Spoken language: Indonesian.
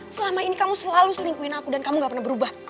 selama ini kamu selalu selingkuhin aku dan kamu gak pernah berubah